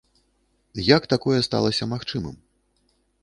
Як такое сталася магчымым?